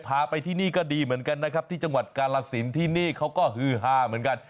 พาไปที่นี่ก็ดีเหมือนกันนะครับที่จังหวัดกาลสินที่นี่เขาก็ฮือฮาเหมือนกัน